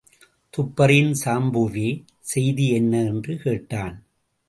துப்பறியும் சாம்புவே செய்தி என்ன? என்று கேட்டான்.